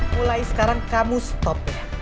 mulai sekarang kamu stop